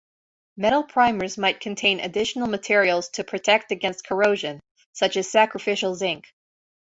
Metal primers might contain additional materials to protect against corrosion, such as sacrificial zinc.